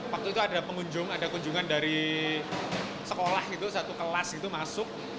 waktu itu ada pengunjung ada kunjungan dari sekolah itu satu kelas itu masuk